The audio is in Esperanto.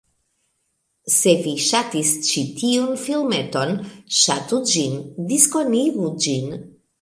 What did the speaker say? Se vi ŝatis ĉi tiun filmeton, Ŝatu ĝin, diskonigu ĝin